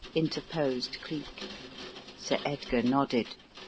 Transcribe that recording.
interposed Cleek. Sir Edgar nodded.